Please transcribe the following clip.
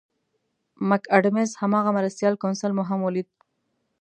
مک اډمز هماغه مرستیال کونسل مو هم ولید.